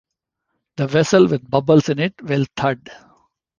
The vessel with bubbles in it will "thud".